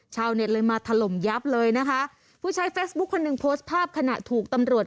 เน็ตเลยมาถล่มยับเลยนะคะผู้ใช้เฟซบุ๊คคนหนึ่งโพสต์ภาพขณะถูกตำรวจ